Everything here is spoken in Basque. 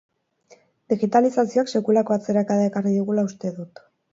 Digitalizazioak sekulako atzerakada ekarri digula uste dut.